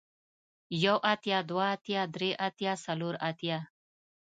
يو اتيا دوه اتيا درې اتيا څلور اتيا